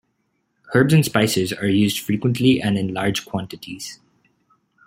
Herbs and spices are used frequently and in large quantities.